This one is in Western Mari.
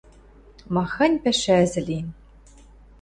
— Махань пӓшӓзӹ лин!..